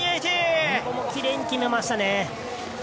ここもきれいに決めましたね。